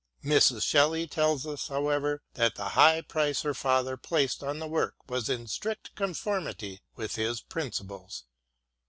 Mrs. Shelley tells us, however, that the high price her father placed on the work was in strict conformity with his principles.